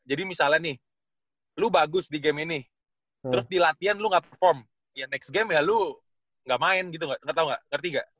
jadi misalnya nih lu bagus di game ini terus di latihan lu gak perform ya next game ya lu gak main gitu tau gak ngerti gak